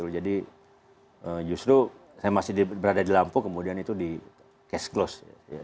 jadi justru saya masih berada di lampu kemudian itu di cash close